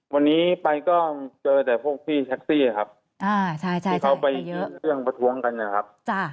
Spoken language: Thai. วันนี้ไปก็เจอแต่พวกพี่แท็กซี่ครับที่เขาไปเยอะเรื่องประท้วงกันนะครับ